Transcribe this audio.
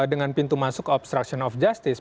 dengan pintu masuk obstruction of justice